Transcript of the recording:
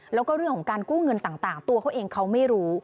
แล้วก็เรื่องของการกู้เงินต่างตัวเขาเองเขาไม่รู้